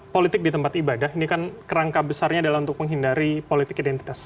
politik di tempat ibadah ini kan kerangka besarnya adalah untuk menghindari politik identitas